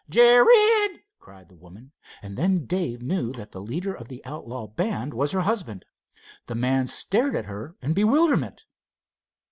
"Jared!" cried the woman, and then Dave knew that the leader of the outlaw band was her husband. The man stared at her in bewilderment.